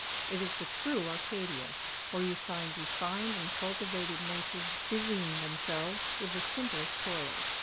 It is the true Arcadia, where you find refined and cultivated natures busying themselves with the simplest toils.